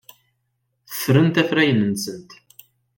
Ffrent afrayen-nsent.